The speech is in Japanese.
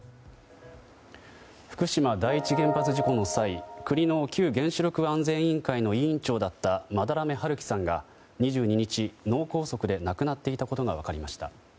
福島第一原発事故の際国の旧原子力安全委員会の委員長だった班目春樹さんが２２日、脳梗塞で亡くなっていたことが分かりました。